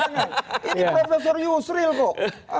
ini prof yusril kok